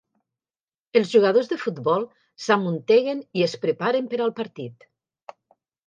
Els jugadors de futbol s'amunteguen i es preparen per al partit.